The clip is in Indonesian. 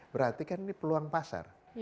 berarti kan ini peluang pasar